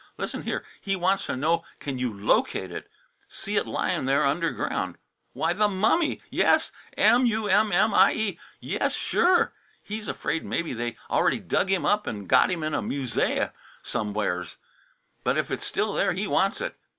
Listen here! He wants t' know can you locate it see it lyin' there underground. Why, the mummy; yes. M u m m i e. Yes, sure! He's afraid mebbe they already dug him up an' got him in a musée somewheres, but if it's still there he wants it.